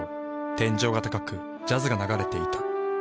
天井が高くジャズが流れていた。